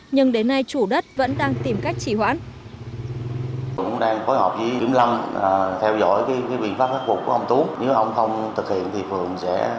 nhưng đến nay chủ đất vẫn đang tìm cách chỉ hoãn